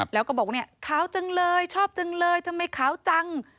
แล้วก็บอกเนี่ยขาวจังเลยชอบจังเลยทำไมขาวจัง